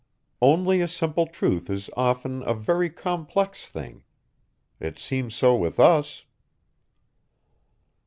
Only a simple truth is often a very complex thing. It seems so with us."